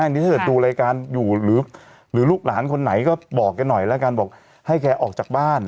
นี่ถ้าเกิดดูรายการอยู่หรือลูกหลานคนไหนก็บอกแกหน่อยแล้วกันบอกให้แกออกจากบ้าน